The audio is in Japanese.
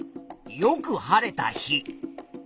よく晴れた日。